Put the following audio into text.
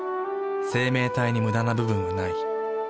生命体にムダな部分はない。